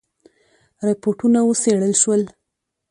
رپوټونه وڅېړل شول.